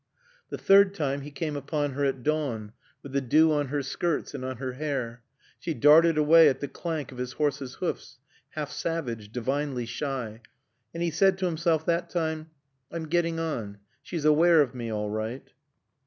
The third time he came upon her at dawn with the dew on her skirts and on her hair. She darted away at the clank of his horse's hoofs, half savage, divinely shy. And he said to himself that time, "I'm getting on. She's aware of me all right."